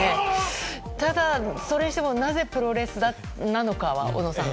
ただ、それにしてもなぜプロレスなのかは、小野さん。